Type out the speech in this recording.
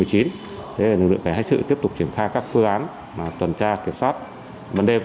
thế là lực lượng cảnh sử tiếp tục triển khai các phương án tuần tra kiểm soát bần đêm